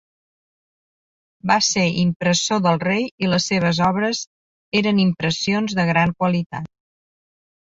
Va ser impressor del rei i les seves obres eren impressions de gran qualitat.